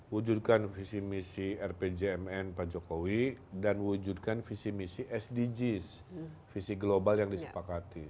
wujudkan visi misi rpjmn pak jokowi dan wujudkan visi misi sdgs visi global yang disepakati